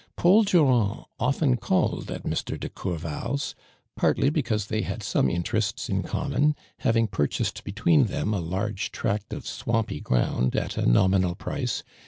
Paul Durand often called at Mr, de Cour val' s, partly because they had some interests in common, having purcliased between them a large tract of swamity ground at a V \ ARMAND DrRAND. nominal price, whi